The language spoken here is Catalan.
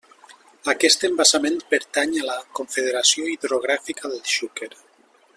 Aquest embassament pertany a la Confederació Hidrogràfica del Xúquer.